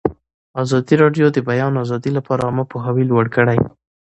ازادي راډیو د د بیان آزادي لپاره عامه پوهاوي لوړ کړی.